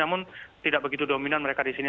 namun tidak begitu dominan mereka di sini